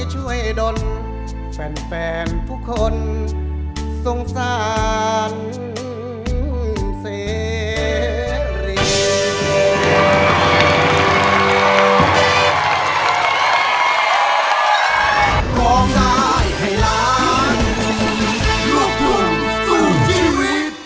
ช่วยดนแฟนแฟนผู้คนสงสารเสรีย